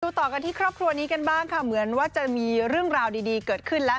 ต่อกันที่ครอบครัวนี้กันบ้างค่ะเหมือนว่าจะมีเรื่องราวดีเกิดขึ้นแล้ว